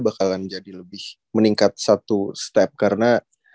bakalan jadi lebih meningkat satu step karena